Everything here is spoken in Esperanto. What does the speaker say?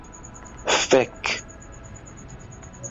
fek